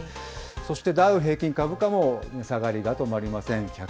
そして、ダウ平均株価も値下がりが止まりません。